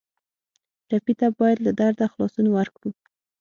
ټپي ته باید له درده خلاصون ورکړو.